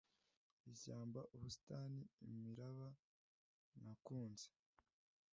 ishyamba, ubusitani, imiraba nakunze